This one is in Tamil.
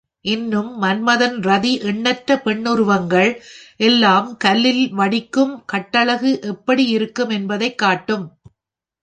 இன்னும் மன்மதன், ரதி, எண்ணற்ற பெண்ணுருவங்கள் எல்லாம் கல்லில் வடிக்கும் கட்டழகு எப்படி இருக்கும் என்பதைக் காட்டும்.